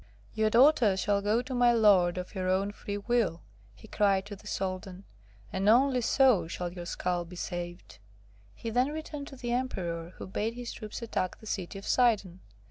] 'Your daughter shall go to my lord of her own free will,' he cried to the Soldan, 'and only so shall your skull be saved!' He then returned to the Emperor, who bade his troops attack the city of Sidon.